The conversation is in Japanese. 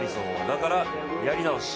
だから、やり直し。